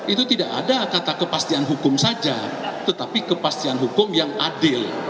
itu tidak ada kata kepastian hukum saja tetapi kepastian hukum yang adil